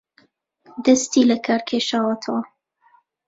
دەستی لەکار کێشاوەتەوە